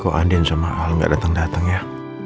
kok andin sama al gak dateng dateng ya